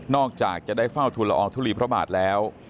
จากจะได้เฝ้าทุลอองทุลีพระบาทแล้ว